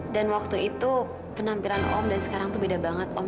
dan waktu itu penampilan om dan sekarang itu beda banget om